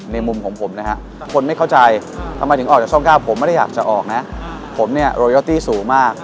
ในมุมของผมนะฮะ